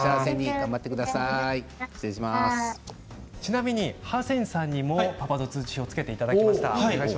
ちなみにハセンさんにもパパ度通知表をつけていただきました。